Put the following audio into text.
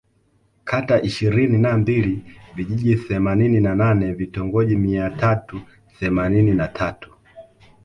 Kata ishirini na mbili Vijiji themanini na nane Vitongoji mia tatu themanini na tatu